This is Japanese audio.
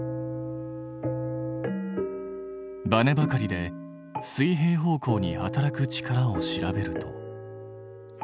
バネばかりで水平方向に働く力を調べると。